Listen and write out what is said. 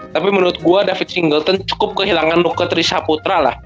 tapi menurut gue david singleton cukup kehilangan nuker trisha putra lah